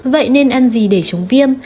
vậy nên ăn gì để chống viêm